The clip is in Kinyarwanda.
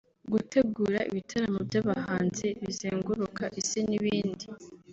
gutegura ibitaramo by’abahanzi bizenguruka Isi n’ibindi